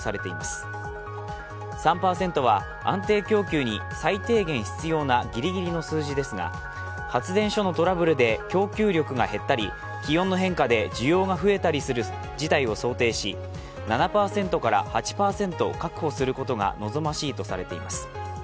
それによりますと電力需要に対する供給の余力を示す予備率は発電所のトラブルで供給力が減ったり気温の変化で需要が増えたりする事態を想定し７％から８％確保することが望ましいとされています。